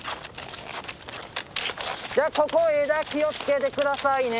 じゃあここ枝気を付けて下さいね。